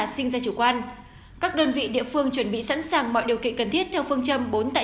xin chào và hẹn gặp lại